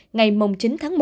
ngày chín tháng một